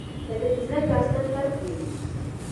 لكه دځمكي او اسمان فرق وي